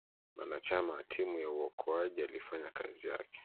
mwanachama wa timu ya uokoaji alifanya kazi yake